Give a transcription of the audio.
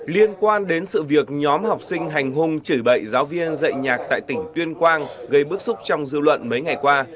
liên quan đến sự việc nhóm học sinh hành hung chỉ bậy giáo viên dạy nhạc tại tỉnh tuyên quang gây bức xúc trong dư luận mấy ngày qua